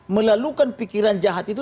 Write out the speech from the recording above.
melalukan pikiran jahat itu